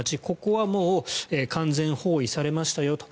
ここはもう完全包囲されましたよ